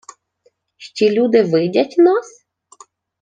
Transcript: — Й ті люди видять нас?